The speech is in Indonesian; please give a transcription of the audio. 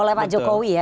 oleh pak jokowi ya